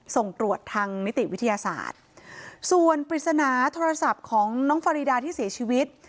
ส่งตรวจทางนิติวิทยาศาสตร์ส่วนปริศนาโทรศัพท์ของน้องฟารีดาที่เสียชีวิต